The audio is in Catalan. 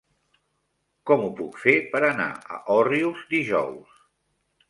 Com ho puc fer per anar a Òrrius dijous?